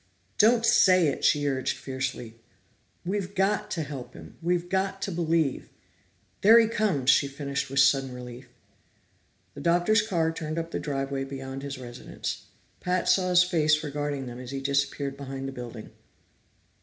"Don't say it!" she urged fiercely. "We've got to help him. We've got to believe There he comes!" she finished with sudden relief. The Doctor's car turned up the driveway beyond his residence. Pat saw his face regarding them as he disappeared behind the building.